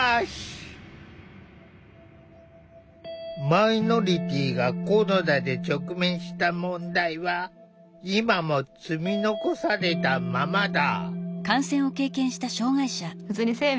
マイノリティーがコロナで直面した問題は今も積み残されたままだ。